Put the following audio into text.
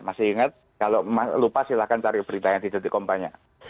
masih ingat kalau lupa silahkan cari beritanya di dtkom banyak